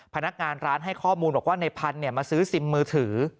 พนักงานร้านให้ข้อมูลบอกว่าในพันธุ์มาซื้อซิมมือถือ